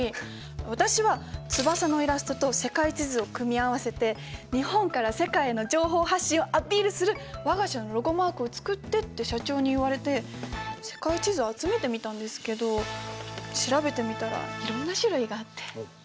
私は翼のイラストと世界地図を組み合わせて日本から世界への情報発信をアピールする我が社のロゴマークを作ってって社長に言われて世界地図を集めてみたんですけど調べてみたらいろんな種類があって。